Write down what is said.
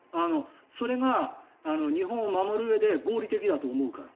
それが日本を守るうえで合理的だと思うから。